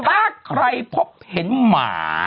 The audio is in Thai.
ถ้าใครพบเห็นหมา